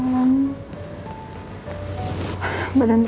badan ku tuh gak enak banget